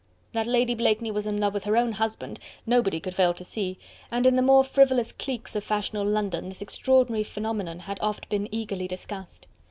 That Lady Blakeney was in love with her own husband, nobody could fail to see, and in the more frivolous cliques of fashionable London this extraordinary phenomenon had oft been eagerly discussed.